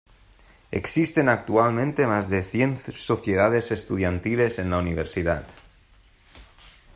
Existen actualmente más de cien sociedades estudiantiles en la universidad.